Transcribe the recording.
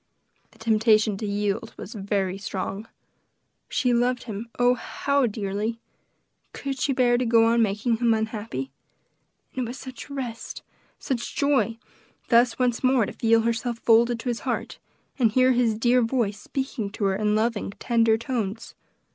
The temptation to yield was very strong. She loved him, oh, how dearly! Could she bear to go on making him unhappy? And it was such rest such joy thus once more to feel herself folded to his heart, and hear his dear voice speaking to her in loving, tender tones.